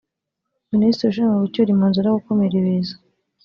Minisitiri Ushinzwe gucyura Impunzi no gukumira ibiza